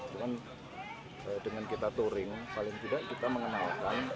cuman dengan kita touring paling tidak kita mengenalkan